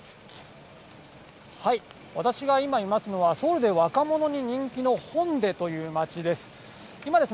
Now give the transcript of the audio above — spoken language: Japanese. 私が今いますのは、ソウルで若者に人気のホンデという街です。